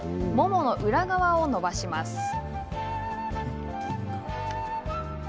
ももの裏側を伸ばします。